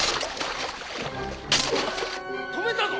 止めたぞ！